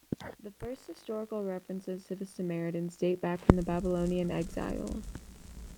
The first historical references to the Samaritans date from the Babylonian Exile.